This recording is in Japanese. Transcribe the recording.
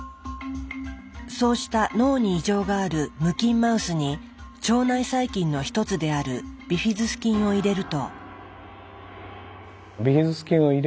そうした脳に異常がある無菌マウスに腸内細菌の一つであるビフィズス菌を入れると。